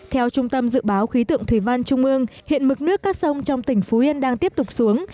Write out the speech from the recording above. theo trung tâm dự báo khí tượng thủy văn trung ương hiện mực nước các sông trong tỉnh phú yên đang tiếp tục xuống